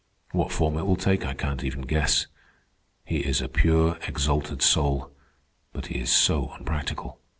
What form it will take I can't even guess. He is a pure, exalted soul, but he is so unpractical.